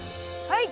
はい。